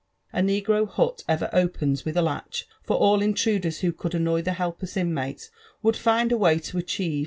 A negro hut ever opens with a latch*^f(Mr all intruders who couM annoy the helpless inmates would find ai way to achieve.